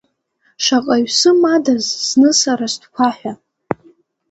Шаҟаҩ сымадаз зны сара стәқәа ҳәа!